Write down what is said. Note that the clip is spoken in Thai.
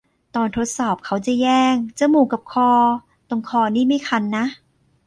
ตอนทดสอบเขาจะแย่ง จมูกกับคอ ตรงคอนี่ไม่คันนะ